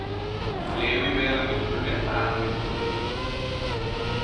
లేమివేళ మిత్రులే ప్రాణమిత్రులు